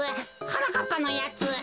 はなかっぱのやつ。